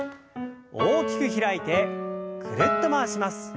大きく開いてぐるっと回します。